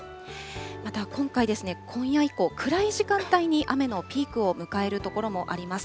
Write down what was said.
また今回ですね、今夜以降、暗い時間帯に雨のピークを迎える所もあります。